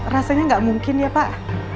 rasanya nggak mungkin ya pak